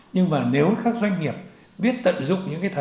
nhưng mà nếu các doanh nghiệp biết tận dụng những thời điểm này